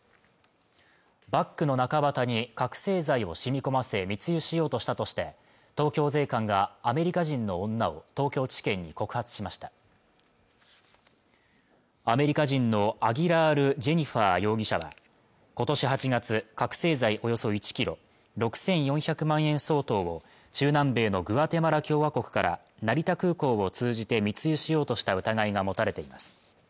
バッグの中綿に覚醒剤を染み込ませ密輸しようとしたとして東京税関がアメリカ人の女を東京地検に告発しましたアメリカ人のアギラール・ジェニファー容疑者が今年８月覚醒剤およそ１ｋｇ６４００万円相当を中南米のグアテマラ共和国から成田空港を通じて密輸しようとした疑いが持たれています